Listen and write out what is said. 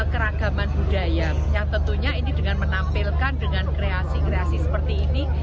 keragaman budaya yang tentunya ini dengan menampilkan dengan kreasi kreasi seperti ini